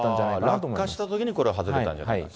落下したときにこれは外れたんじゃないかと。